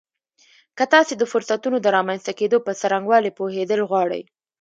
که تاسې د فرصتونو د رامنځته کېدو په څرنګوالي پوهېدل غواړئ.